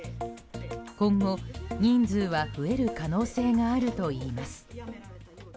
今後、人数は増える可能性があるといいます。